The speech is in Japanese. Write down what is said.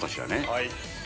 はい。